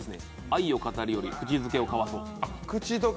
「愛をかたるより口づけをかわそ」